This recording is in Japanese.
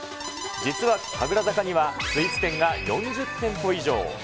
実は神楽坂にはスイーツ店が４０店舗以上。